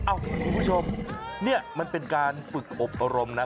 คุณผู้ชมนี่มันเป็นการฝึกอบรมนะ